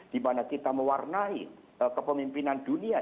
di mana kita mewarnai kepemimpinan dunia